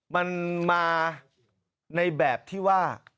มันมาในแบบที่ว่า